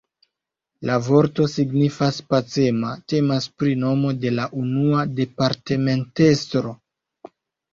La vorto signifas pacema, temas pri nomo de la unua departementestro.